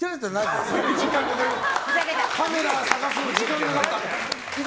カメラを探すのに時間かかった。